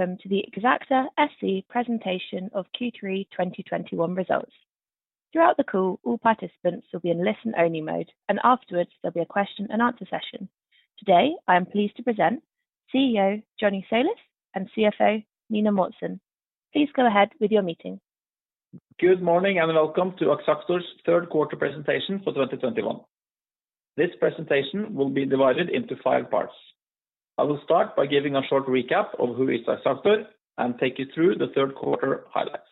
Welcome to the Axactor SE presentation of Q3 2021 results. Throughout the call, all participants will be in listen-only mode, and afterwards there'll be a question and answer session. Today, I am pleased to present CEO Johnny Tsolis and CFO Nina Mortensen. Please go ahead with your meeting. Good morning and welcome to Axactor's third quarter presentation for 2021. This presentation will be divided into five parts. I will start by giving a short recap of who is Axactor and take you through the third quarter highlights.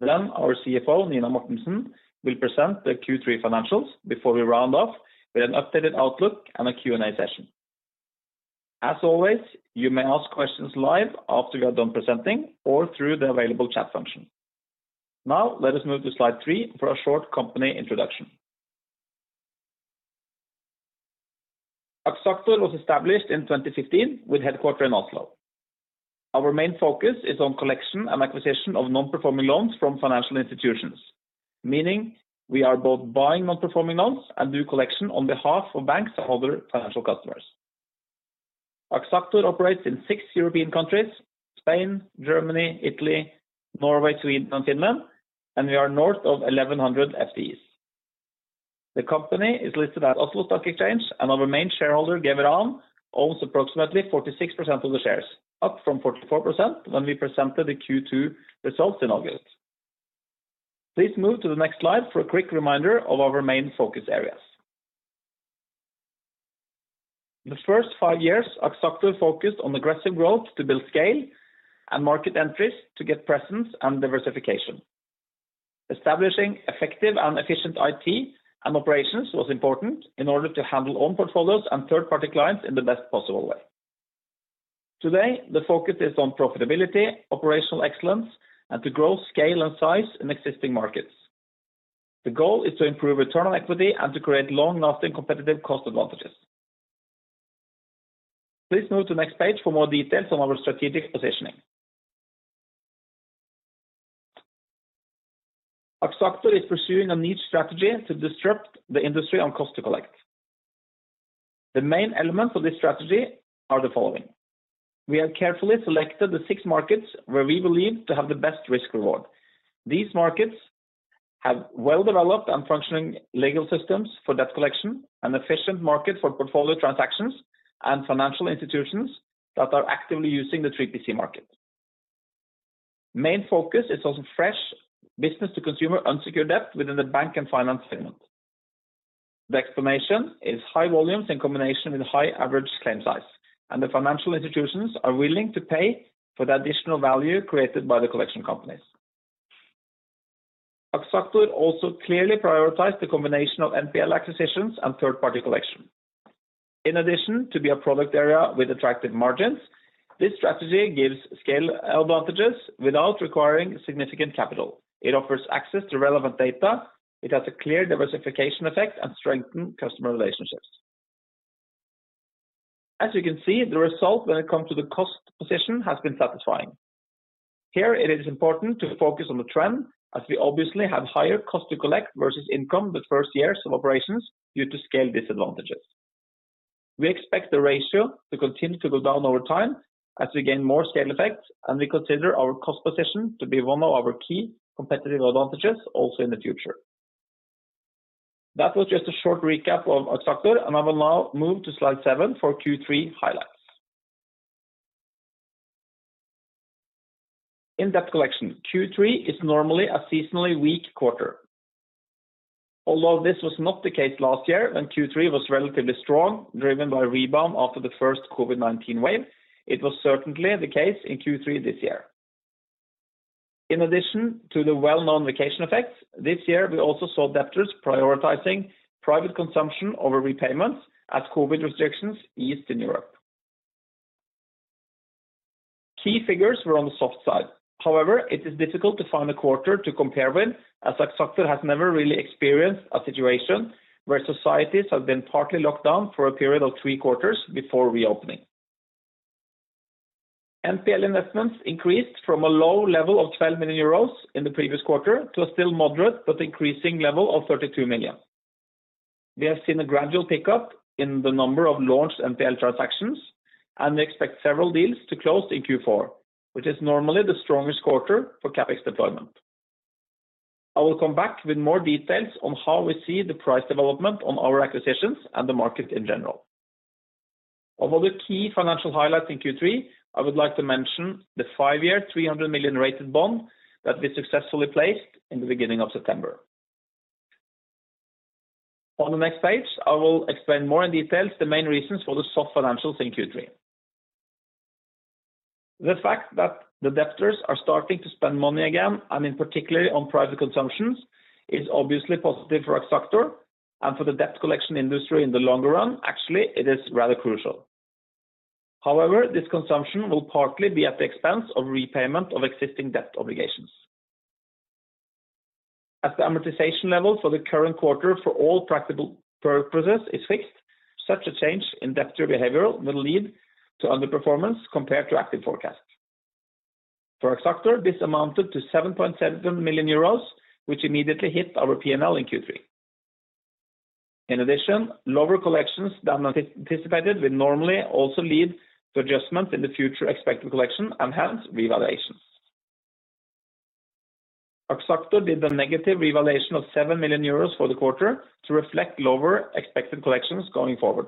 Then our CFO, Nina Mortensen, will present the Q3 financials before we round off with an updated outlook and a Q&A session. As always, you may ask questions live after we are done presenting or through the available chat function. Now let us move to slide three for a short company introduction. Axactor was established in 2015 with headquarters in Oslo. Our main focus is on collection and acquisition of non-performing loans from financial institutions, meaning we are both buying non-performing loans and do collection on behalf of banks and other financial customers. Axactor operates in six European countries, Spain, Germany, Italy, Norway, Sweden, and Finland, and we are north of 1,100 FTEs. The company is listed at Oslo Stock Exchange, and our main shareholder, Geveran, owns approximately 46% of the shares, up from 44% when we presented the Q2 results in August. Please move to the next slide for a quick reminder of our main focus areas. The first five years, Axactor focused on aggressive growth to build scale and market entries to get presence and diversification. Establishing effective and efficient IT and operations was important in order to handle own portfolios and third-party clients in the best possible way. Today, the focus is on profitability, operational excellence, and to grow scale and size in existing markets. The goal is to improve return on equity and to create long-lasting competitive cost advantages. Please move to the next page for more details on our strategic positioning. Axactor is pursuing a niche strategy to disrupt the industry on cost to collect. The main elements of this strategy are the following. We have carefully selected the six markets where we believe to have the best risk-reward. These markets have well-developed and functioning legal systems for debt collection, an efficient market for portfolio transactions, and financial institutions that are actively using the 3PC Market. Main focus is on fresh business-to-consumer unsecured debt within the bank and finance segment. The explanation is high volumes in combination with high average claim size, and the financial institutions are willing to pay for the additional value created by the collection companies. Axactor also clearly prioritize the combination of NPL acquisitions and third-party collection. In addition to be a product area with attractive margins, this strategy gives scale advantages without requiring significant capital. It offers access to relevant data. It has a clear diversification effect and strengthen customer relationships. As you can see, the result when it comes to the cost position has been satisfying. Here it is important to focus on the trend as we obviously have higher cost to collect versus income the first years of operations due to scale disadvantages. We expect the ratio to continue to go down over time as we gain more scale effects, and we consider our cost position to be one of our key competitive advantages also in the future. That was just a short recap of Axactor, and I will now move to slide seven for Q3 highlights. In-depth collection. Q3 is normally a seasonally weak quarter. Although this was not the case last year when Q3 was relatively strong, driven by a rebound after the first COVID-19 wave, it was certainly the case in Q3 this year. In addition to the well-known vacation effects, this year we also saw debtors prioritizing private consumption over repayments as COVID restrictions eased in Europe. Key figures were on the soft side. However, it is difficult to find a quarter to compare with as Axactor has never really experienced a situation where societies have been partly locked down for a period of three quarters before reopening. NPL investments increased from a low level of 12 million euros in the previous quarter to a still moderate but increasing level of 32 million. We have seen a gradual pickup in the number of launched NPL transactions, and we expect several deals to close in Q4, which is normally the strongest quarter for CapEx deployment. I will come back with more details on how we see the price development on our acquisitions and the market in general. Of all the key financial highlights in Q3, I would like to mention the 5-year, 300 million rated bond that we successfully placed in the beginning of September. On the next page, I will explain more in detail the main reasons for the soft financials in Q3. The fact that the debtors are starting to spend money again, and in particular on private consumption, is obviously positive for Axactor and for the debt collection industry in the longer run, actually, it is rather crucial. However, this consumption will partly be at the expense of repayment of existing debt obligations. As the amortization level for the current quarter for all practical purposes is fixed, such a change in debtor behavior will lead to underperformance compared to active forecast. For Axactor, this amounted to 7.7 million euros, which immediately hit our P&L in Q3. In addition, lower collections than anticipated will normally also lead to adjustments in the future expected collection and hence revaluations. Axactor did the negative revaluation of 7 million euros for the quarter to reflect lower expected collections going forward,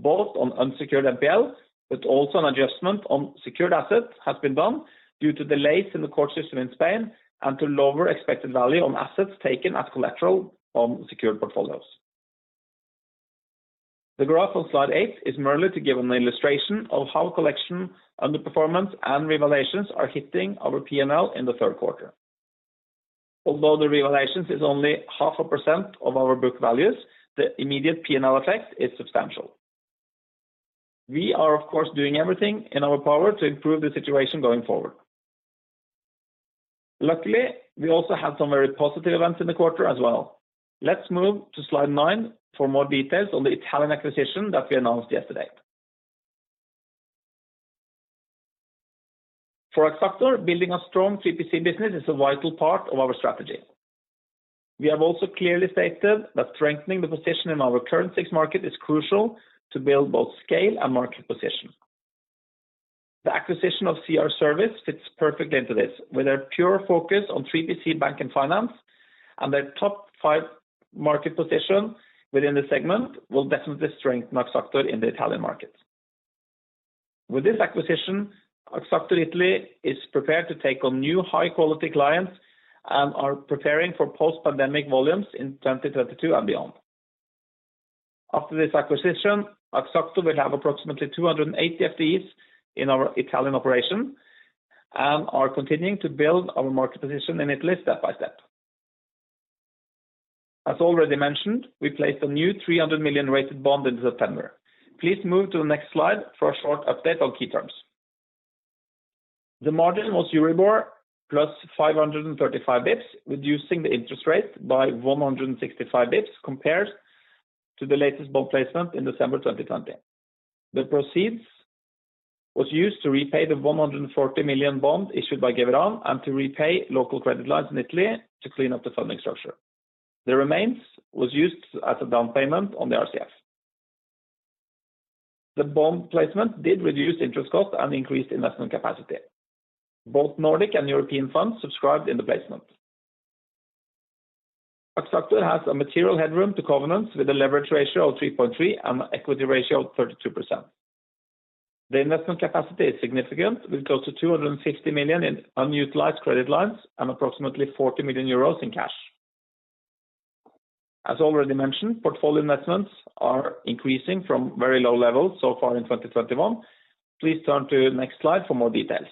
both on unsecured NPL, but also an adjustment on secured assets has been done due to delays in the court system in Spain and to lower expected value on assets taken as collateral on secured portfolios. The graph on slide eight is merely to give an illustration of how collection underperformance and revaluations are hitting our P&L in the third quarter. Although the revaluation is only 0.5% of our book values, the immediate P&L effect is substantial. We are, of course, doing everything in our power to improve the situation going forward. Luckily, we also had some very positive events in the quarter as well. Let's move to slide nine for more details on the Italian acquisition that we announced yesterday. For Axactor, building a strong 3PC business is a vital part of our strategy. We have also clearly stated that strengthening the position in our current six markets is crucial to build both scale and market position. The acquisition of CR Service fits perfectly into this. With a pure focus on 3PC bank and finance and their top-five market position within the segment will definitely strengthen Axactor in the Italian market. With this acquisition, Axactor Italy is prepared to take on new high-quality clients and are preparing for post-pandemic volumes in 2022 and beyond. After this acquisition, Axactor will have approximately 280 FTEs in our Italian operation and are continuing to build our market position in Italy step-by-step. As already mentioned, we placed a new 300 million rated bond in September. Please move to the next slide for a short update on key terms. The margin was Euribor plus 535 basis points, reducing the interest rate by 165 basis points, compared to the latest bond placement in December 2020. The proceeds was used to repay the 140 million bond issued by Geveran and to repay local credit lines in Italy to clean up the funding structure. The remains was used as a down payment on the RCF. The bond placement did reduce interest cost and increased investment capacity. Both Nordic and European funds subscribed in the placement. Axactor has a material headroom to covenants with a leverage ratio of 3.3x and equity ratio of 32%. The investment capacity is significant, with close to 250 million in unutilized credit lines and approximately 40 million euros in cash. As already mentioned, portfolio investments are increasing from very low levels so far in 2021. Please turn to next slide for more details.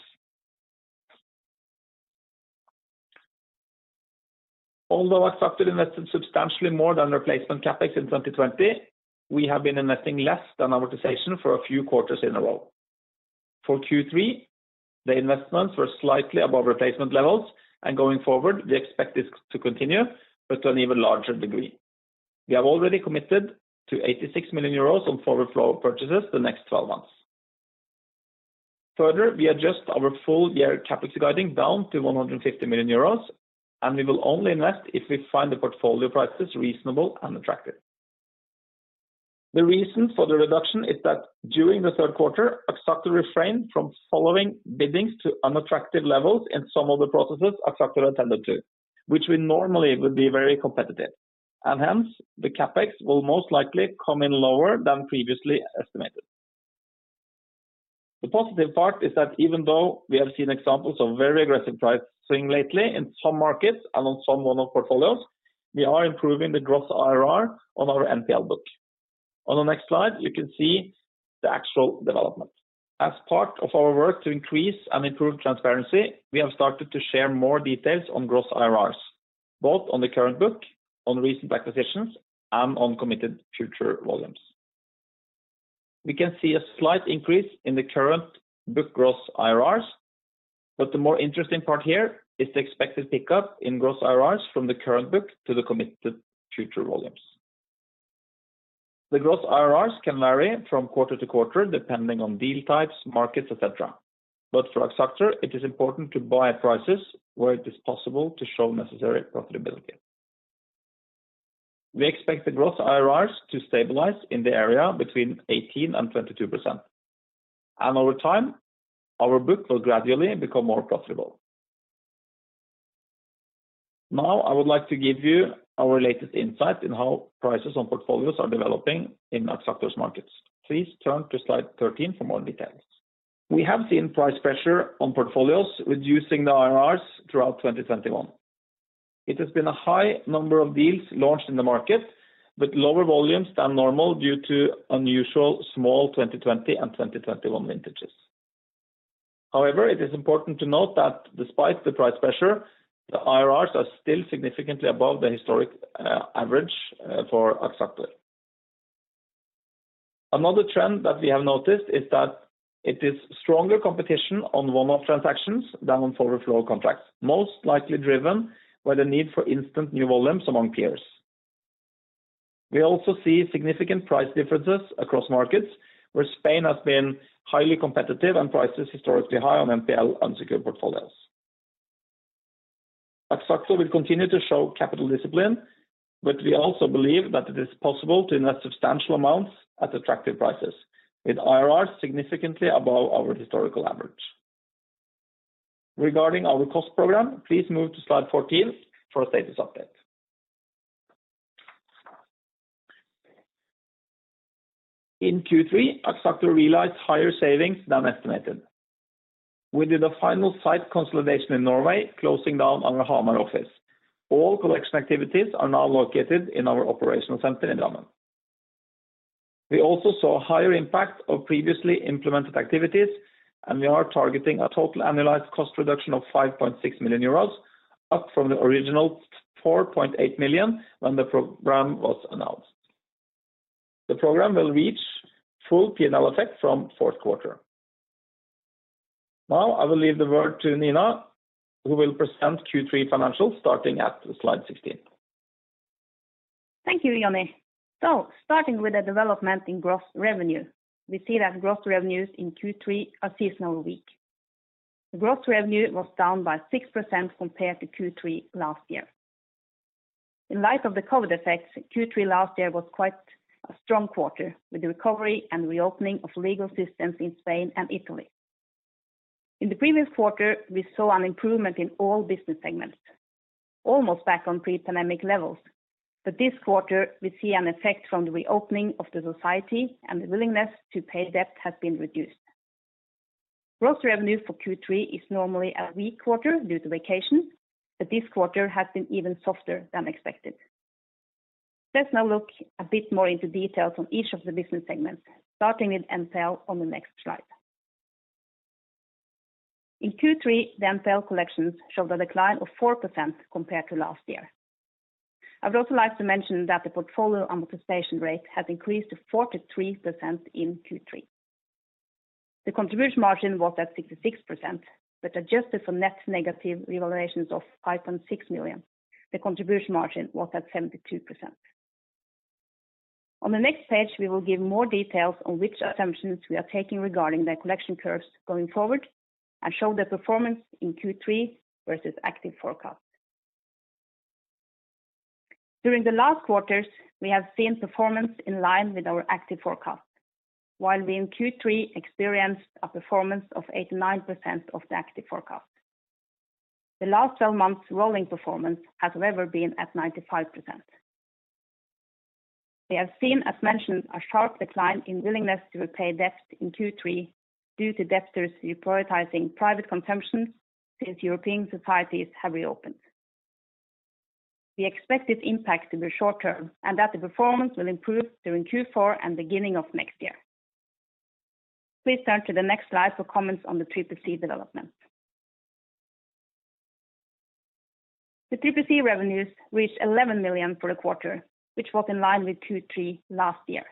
Although Axactor invested substantially more than replacement CapEx in 2020, we have been investing less than amortization for a few quarters in a row. For Q3, the investments were slightly above replacement levels, and going forward, we expect this to continue, but to an even larger degree. We have already committed to 86 million euros on forward flow purchases the next 12 months. Further, we adjust our full year CapEx guidance down to 150 million euros, and we will only invest if we find the portfolio prices reasonable and attractive. The reason for the reduction is that during the third quarter, Axactor refrained from following bidding to unattractive levels in some of the processes Axactor attended to, which we normally would be very competitive. Hence, the CapEx will most likely come in lower than previously estimated. The positive part is that even though we have seen examples of very aggressive pricing lately in some markets and on some one-off portfolios, we are improving the Gross IRR on our NPL book. On the next slide, you can see the actual development. As part of our work to increase and improve transparency, we have started to share more details on Gross IRRs, both on the current book, on recent acquisitions, and on committed future volumes. We can see a slight increase in the current book Gross IRRs, but the more interesting part here is the expected pickup in Gross IRRs from the current book to the committed future volumes. The Gross IRRs can vary from quarter to quarter, depending on deal types, markets, et cetera. For Axactor, it is important to buy prices where it is possible to show necessary profitability. We expect the gross IRRs to stabilize in the area between 18%-22%. Over time, our book will gradually become more profitable. Now, I would like to give you our latest insight in how prices on portfolios are developing in Axactor's markets. Please turn to slide 13 for more details. We have seen price pressure on portfolios, reducing the IRRs throughout 2021. It has been a high number of deals launched in the market, with lower volumes than normal due to unusual small 2020 and 2021 vintages. However, it is important to note that despite the price pressure, the IRRs are still significantly above the historic average for Axactor. Another trend that we have noticed is that it is stronger competition on one-off transactions than on forward flow contracts, most likely driven by the need for instant new volumes among peers. We also see significant price differences across markets, where Spain has been highly competitive and prices historically high on NPL unsecured portfolios. Axactor will continue to show capital discipline, but we also believe that it is possible to invest substantial amounts at attractive prices with IRRs significantly above our historical average. Regarding our cost program, please move to slide 14 for a status update. In Q3, Axactor realized higher savings than estimated. We did a final site consolidation in Norway, closing down our Hamar office. All collection activities are now located in our operational center in Drammen. We also saw higher impact of previously implemented activities, and we are targeting a total annualized cost reduction of 5.6 million euros, up from the original 4.8 million when the program was announced. The program will reach full P&L effect from fourth quarter. Now I will leave the word to Nina, who will present Q3 financials starting at slide 16. Thank you, Johnny. Starting with the development in gross revenue, we see that gross revenues in Q3 are seasonally weak. The gross revenue was down by 6% compared to Q3 last year. In light of the COVID effects, Q3 last year was quite a strong quarter, with the recovery and reopening of legal systems in Spain and Italy. In the previous quarter, we saw an improvement in all business segments, almost back on pre-pandemic levels. This quarter, we see an effect from the reopening of the society and the willingness to pay debt has been reduced. Gross revenue for Q3 is normally a weak quarter due to vacations, but this quarter has been even softer than expected. Let's now look a bit more into details on each of the business segments, starting with NPL on the next slide. In Q3, the NPL collections showed a decline of 4% compared to last year. I would also like to mention that the portfolio amortization rate has increased to 43% in Q3. The contribution margin was at 66%, but adjusted for net negative revaluations of 5.6 million, the contribution margin was at 72%. On the next page, we will give more details on which assumptions we are taking regarding the collection curves going forward and show the performance in Q3 versus active forecast. During the last quarters, we have seen performance in line with our active forecast, while we in Q3 experienced a performance of 89% of the active forecast. The last 12 months rolling performance has however been at 95%. We have seen, as mentioned, a sharp decline in willingness to repay debt in Q3 due to debtors reprioritizing private consumption since European societies have reopened. We expect this impact to be short-term and that the performance will improve during Q4 and beginning of next year. Please turn to the next slide for comments on the TPC development. The TPC revenues reached 11 million for the quarter, which was in line with Q3 last year.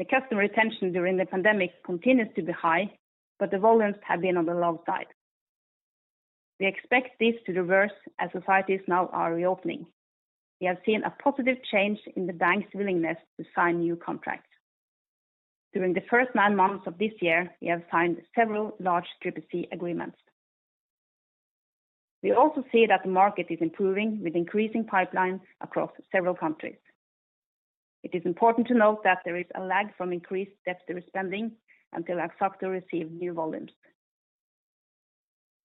The customer retention during the pandemic continues to be high, but the volumes have been on the low side. We expect this to reverse as societies now are reopening. We have seen a positive change in the bank's willingness to sign new contracts. During the first nine months of this year, we have signed several large TPC agreements. We also see that the market is improving with increasing pipelines across several countries. It is important to note that there is a lag from increased debtor spending until Axactor receive new volumes.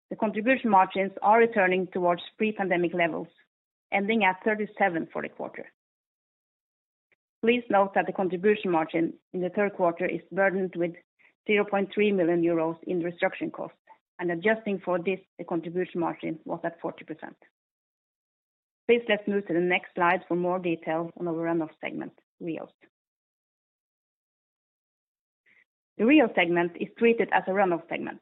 The contribution margins are returning towards pre-pandemic levels, ending at 37% for the quarter. Please note that the contribution margin in the third quarter is burdened with 0.3 million euros in restructuring costs, and adjusting for this, the contribution margin was at 40%. Please let's move to the next slide for more details on our run-off segment, REO. The REO segment is treated as a run-off segment,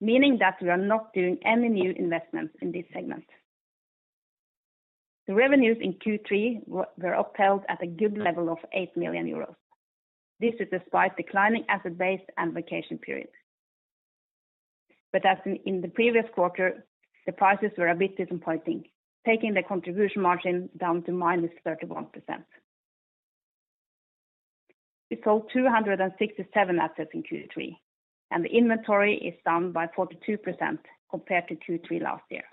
meaning that we are not doing any new investments in this segment. The revenues in Q3 were upheld at a good level of 8 million euros. This is despite declining asset base and vacation periods. As in the previous quarter, the prices were a bit disappointing, taking the contribution margin down to -31%. We sold 267 assets in Q3, and the inventory is down by 42% compared to Q3 last year.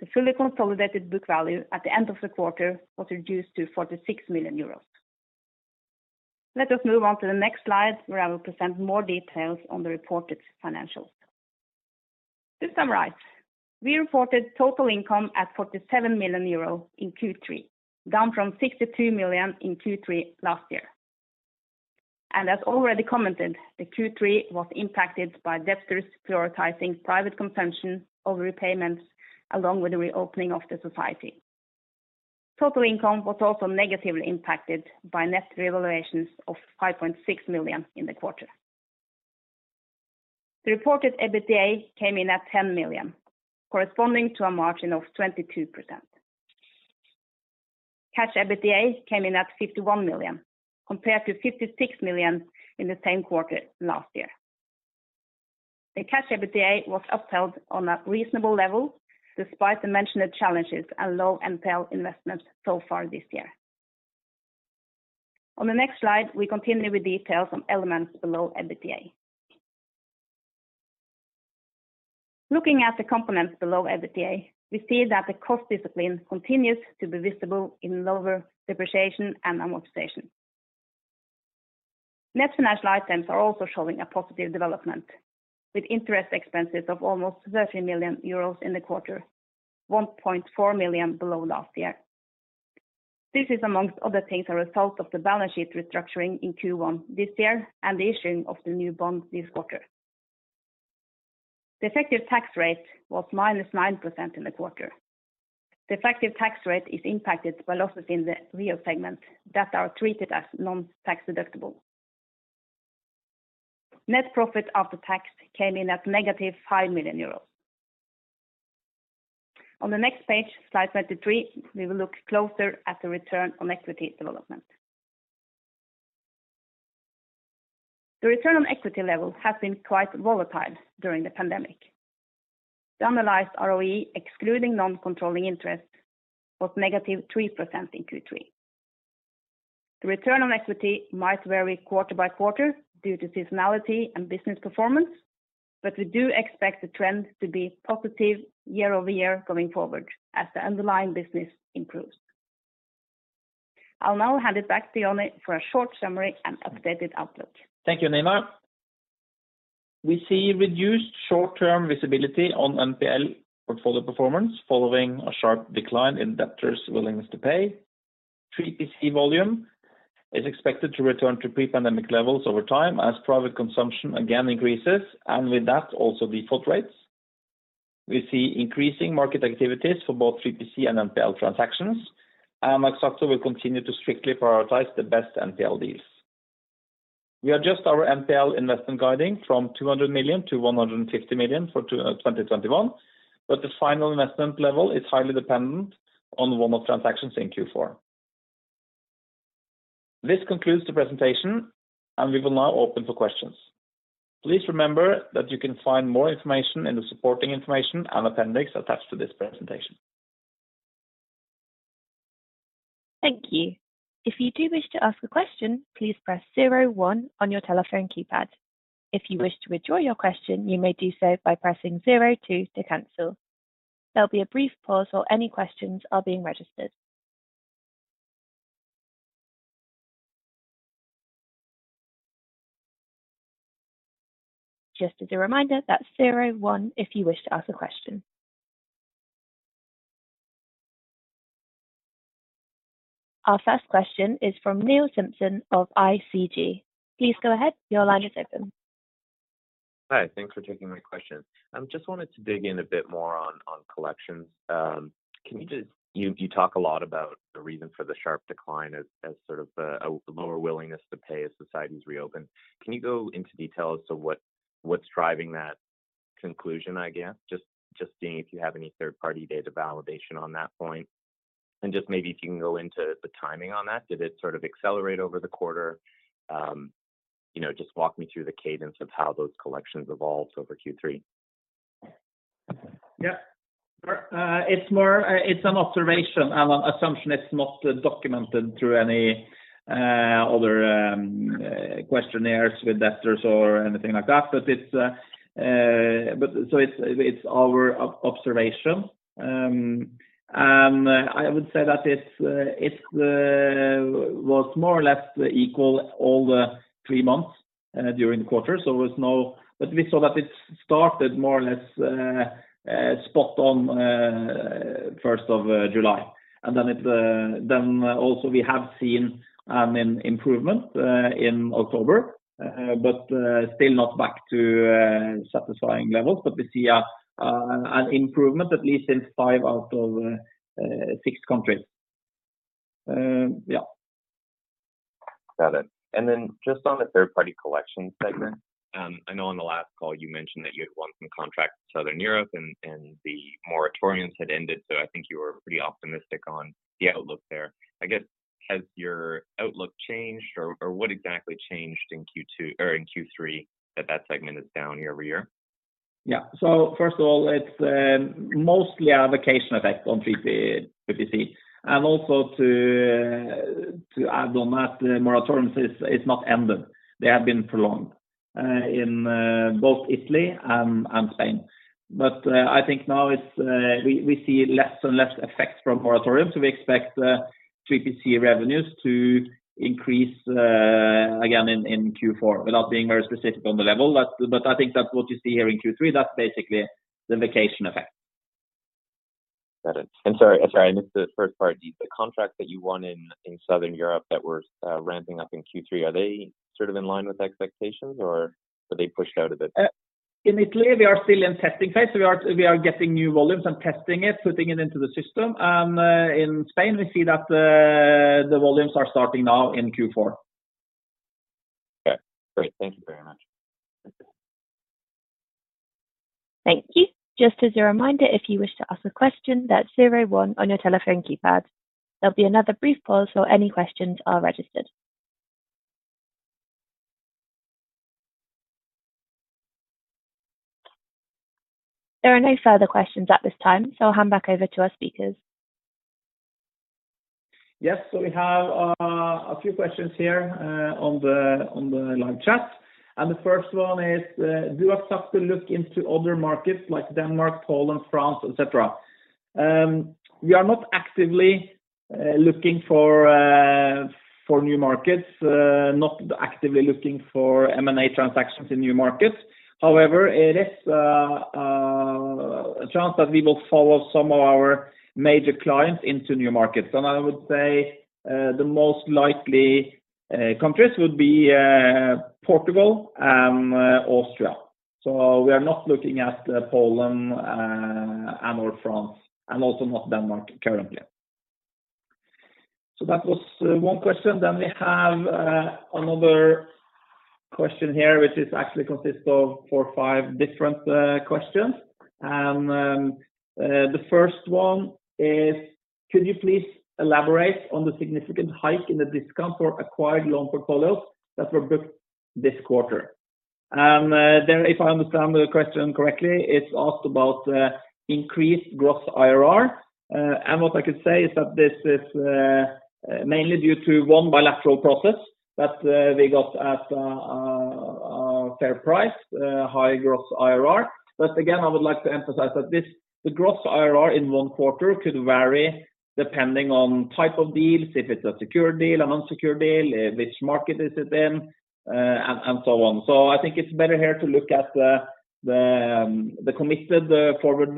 The fully consolidated book value at the end of the quarter was reduced to 46 million euros. Let us move on to the next slide, where I will present more details on the reported financials. To summarize, we reported total income at 47 million euro in Q3, down from 62 million in Q3 last year. As already commented, the Q3 was impacted by debtors prioritizing private consumption over repayments along with the reopening of the society. Total income was also negatively impacted by net revaluations of 5.6 million in the quarter. The reported EBITDA came in at 10 million, corresponding to a margin of 22%. Cash EBITDA came in at 51 million, compared to 56 million in the same quarter last year. The cash EBITDA was upheld on a reasonable level despite the mentioned challenges and low NPL investments so far this year. On the next slide, we continue with details on elements below EBITDA. Looking at the components below EBITDA, we see that the cost discipline continues to be visible in lower depreciation and amortization. Net financial items are also showing a positive development, with interest expenses of almost 30 million euros in the quarter, 1.4 million below last year. This is, among other things, a result of the balance sheet restructuring in Q1 this year and the issuing of the new bond this quarter. The effective tax rate was -9% in the quarter. The effective tax rate is impacted by losses in the REO segment that are treated as non-tax deductible. Net profit after tax came in at -5 million euros. On the next page, slide 23, we will look closer at the return on equity development. The return on equity level has been quite volatile during the pandemic. The analyzed ROE, excluding non-controlling interest, was negative 3% in Q3. The return on equity might vary quarter by quarter due to seasonality and business performance, but we do expect the trend to be positive year-over-year going forward as the underlying business improves. I'll now hand it back to Johnny for a short summary and updated outlook. Thank you, Nina. We see reduced short-term visibility on NPL portfolio performance following a sharp decline in debtors' willingness to pay. 3PC volume is expected to return to pre-pandemic levels over time as private consumption again increases, and with that, also default rates. We see increasing market activities for both 3PC and NPL transactions, and Axactor will continue to strictly prioritize the best NPL deals. We adjust our NPL investment guidance from 200 million to 150 million for 2021, but the final investment level is highly dependent on the volume of transactions in Q4. This concludes the presentation, and we will now open for questions. Please remember that you can find more information in the supporting information and appendix attached to this presentation. Our first question is from Neil Simpson of ICG. Please go ahead. Your line is open. Hi, thanks for taking my question. Just wanted to dig in a bit more on collections. Can you you talk a lot about the reason for the sharp decline as sort of a lower willingness to pay as societies reopen. Can you go into detail as to what's driving that conclusion, I guess? Just seeing if you have any third-party data validation on that point. Just maybe if you can go into the timing on that. Did it sort of accelerate over the quarter? You know, just walk me through the cadence of how those collections evolved over Q3. Yeah, it's more. It's an observation. Assumption is not documented through any other questionnaires with debtors or anything like that. It's our observation. I would say that it was more or less equal all the three months during the quarter. We saw that it started more or less spot on 1st of July. Then also we have seen an improvement in October, but still not back to satisfying levels. We see an improvement at least in five out of six countries. Yeah. Got it. Just on the third party collection segment, I know on the last call you mentioned that you had won some contracts in Southern Europe and the moratoriums had ended. I think you were pretty optimistic on the outlook there. I guess, has your outlook changed or what exactly changed in Q2 or in Q3 that segment is down year-over-year? Yeah. First of all, it's mostly a vacation effect on 3PC. Also to add on that, the moratoriums is not ended. They have been prolonged in both Italy and Spain. I think now it's we see less and less effects from moratoriums. We expect 3PC revenues to increase again in Q4 without being very specific on the level. I think that what you see here in Q3, that's basically the vacation effect. Got it. Sorry, I missed the first part. The contracts that you won in Southern Europe that were ramping up in Q3, are they sort of in line with expectations or were they pushed out a bit? In Italy, we are still in testing phase. We are getting new volumes and testing it, putting it into the system. In Spain, we see that the volumes are starting now in Q4. Okay, great. Thank you very much. Thank you. Just as a reminder, if you wish to ask a question, that's zero one on your telephone keypad. There'll be another brief pause while any questions are registered. There are no further questions at this time, so I'll hand back over to our speakers. Yes. We have a few questions here on the live chat. The first one is, do Axactor look into other markets like Denmark, Poland, France, et cetera? We are not actively looking for new markets, not actively looking for M&A transactions in new markets. However, it is a chance that we will follow some of our major clients into new markets. I would say, the most likely countries would be Portugal and Austria. We are not looking at Poland and/or France, and also not Denmark currently. That was one question. We have another question here, which actually consists of four or five different questions. The first one is: Could you please elaborate on the significant hike in the discount for acquired loan portfolios that were booked this quarter? If I understand the question correctly, it's asked about the increased gross IRR. What I could say is that this is mainly due to one bilateral process that we got at fair price, high gross IRR. Again, I would like to emphasize that this, the gross IRR in one quarter could vary depending on type of deals, if it's a secured deal, an unsecured deal, which market is it in, and so on. I think it's better here to look at the committed forward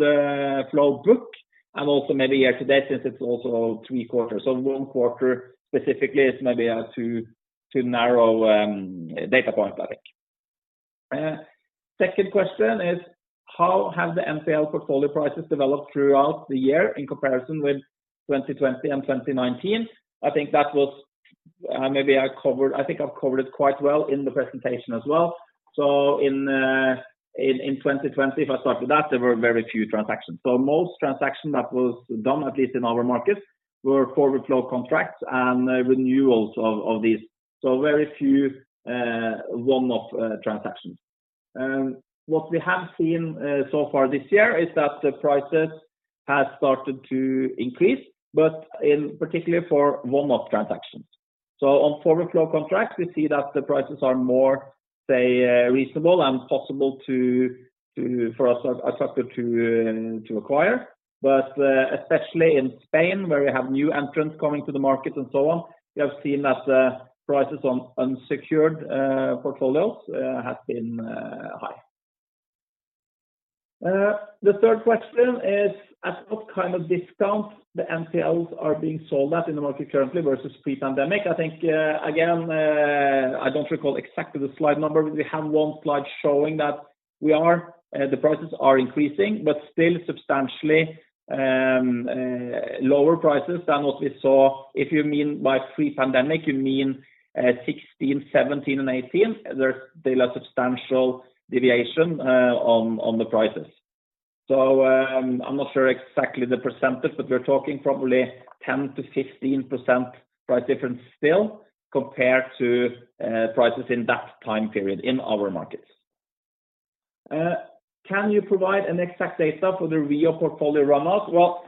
flow book, and also maybe year to date, since it's also three quarters. One quarter specifically is maybe too narrow data point, I think. Second question is: How have the NPL portfolio prices developed throughout the year in comparison with 2020 and 2019? I think I've covered it quite well in the presentation as well. In 2020, if I start with that, there were very few transactions. Most transaction that was done, at least in our markets, were forward flow contracts and renewals of these. Very few one-off transactions. What we have seen so far this year is that the prices have started to increase, but particularly for one-off transactions. On forward flow contracts, we see that the prices are more, say, reasonable and possible to for us at Axactor to acquire. Especially in Spain, where we have new entrants coming to the market and so on, we have seen that prices on unsecured portfolios have been high. The third question is: At what kind of discount the NPLs are being sold at in the market currently versus pre-pandemic? I think, again, I don't recall exactly the slide number. We have one slide showing that the prices are increasing, but still substantially lower prices than what we saw. If you mean by pre-pandemic, you mean 2016, 2017, and 2018, there's still a substantial deviation on the prices. I'm not sure exactly the percentage, but we're talking probably 10%-15% price difference still compared to prices in that time period in our markets. Can you provide an exact date for the REO portfolio run-off? Well,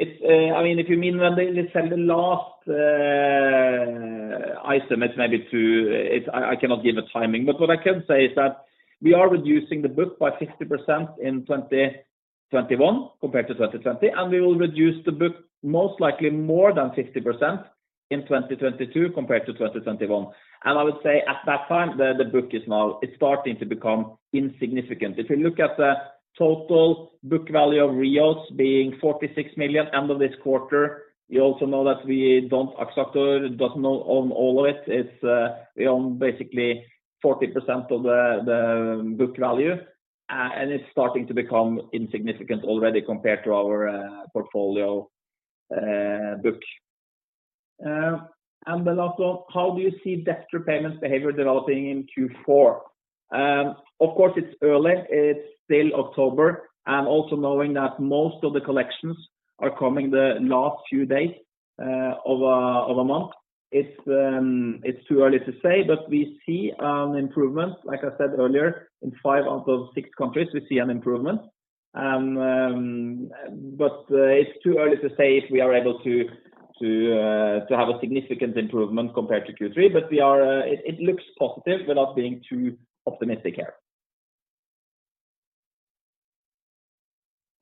I mean, if you mean when they sell the last item, I cannot give a timing. What I can say is that we are reducing the book by 50% in 2021 compared to 2020, and we will reduce the book most likely more than 50% in 2022 compared to 2021. I would say at that time, the book is starting to become insignificant. If you look at the total book value of REOs being 46 million end of this quarter, you also know that Axactor doesn't own all of it. It's, we own basically 40% of the book value, and it's starting to become insignificant already compared to our portfolio book. How do you see debt repayments behavior developing in Q4? Of course, it's early. It's still October. Also knowing that most of the collections are coming the last few days of a month. It's too early to say, but we see an improvement. Like I said earlier, in five out of six countries, we see an improvement. But it's too early to say if we are able to have a significant improvement compared to Q3. We are, it looks positive without being too optimistic here.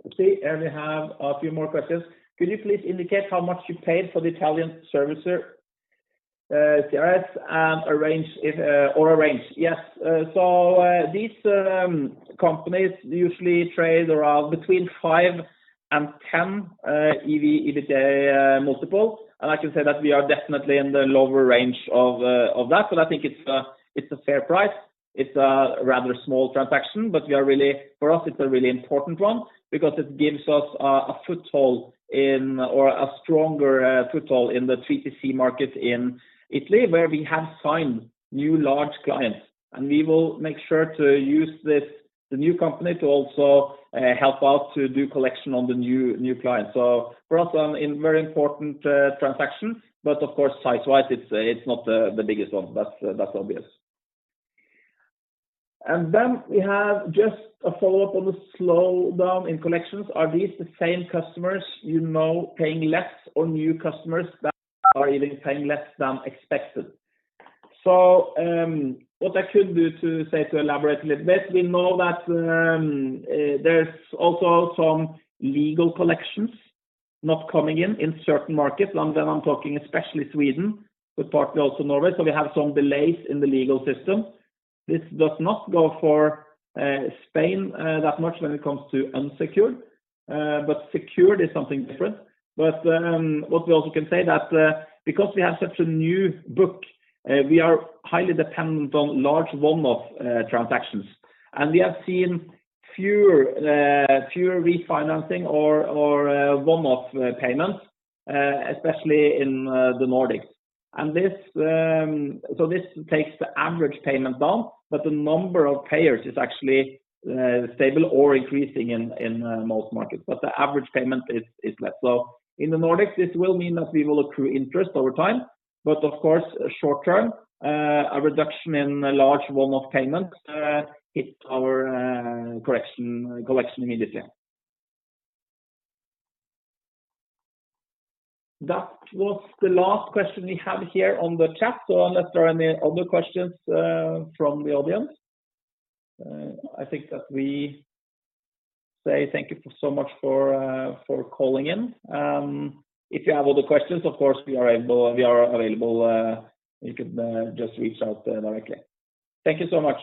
Let's see. We have a few more questions. Could you please indicate how much you paid for the Italian servicer, CRS, and/or a range? Yes. So, these companies usually trade around between five and 10 EV/EBITDA multiple. I can say that we are definitely in the lower range of that. I think it's a fair price. It's a rather small transaction, but for us, it's a really important one because it gives us a stronger foothold in the TPC market in Italy, where we have signed new large clients. We will make sure to use this, the new company to also help out to do collection on the new clients. For us, it's a very important transaction, but of course, size-wise, it's not the biggest one. That's obvious. We have just a follow-up on the slowdown in collections. Are these the same customers you know paying less, or new customers that are even paying less than expected? What I could do to say to elaborate a little bit, we know that there's also some legal collections not coming in in certain markets. I'm talking especially Sweden, but partly also Norway. We have some delays in the legal system. This does not go for Spain that much when it comes to unsecured, but secured is something different. What we also can say that, because we have such a new book, we are highly dependent on large one-off transactions. We have seen fewer refinancing or one-off payments, especially in the Nordics. This takes the average payment down, but the number of payers is actually stable or increasing in most markets, but the average payment is less. In the Nordics, this will mean that we will accrue interest over time, but of course, short term, a reduction in large one-off payments hit our collection immediately. That was the last question we have here on the chat. Unless there are any other questions from the audience, I think that we say thank you so much for calling in. If you have other questions, of course, we are available. You could just reach out directly. Thank you so much.